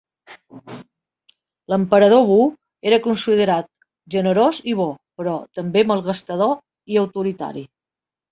L'emperador Wu era considerat generós i bo, però també malgastador i autoritari.